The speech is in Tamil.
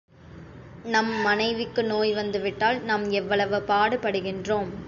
நம் மனைவிக்கு நோய் வந்து விட்டால் நாம் எவ்வளவு பாடுபடுகின்றோம்!